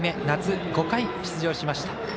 夏５回出場しました。